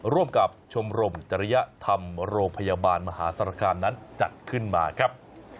ร่วมกับชมรมจริยธรรมโรงพยาบาลมหาสารคามนั้นจัดขึ้นมาครับ